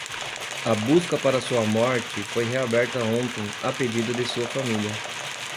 A busca para sua morte foi reaberta ontem a pedido de sua família.